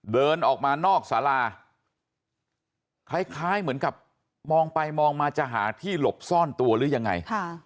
เดินออกมานอกสาราคล้ายเหมือนกับมองไปมองมาจะหาที่หลบซ่อนตัวหรือยังไง